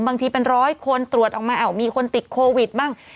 บางทีเป็นร้อยคนตรวจออกมามีคนติดโควิดบ้าง